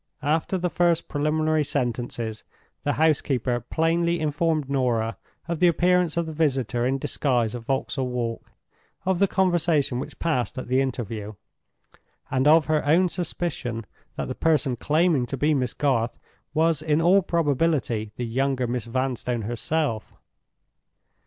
After the first preliminary sentences, the housekeeper plainly informed Norah of the appearance of the visitor in disguise at Vauxhall Walk; of the conversation which passed at the interview; and of her own suspicion that the person claiming to be Miss Garth was, in all probability, the younger Miss Vanstone herself.